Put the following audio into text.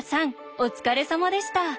お疲れさまでした。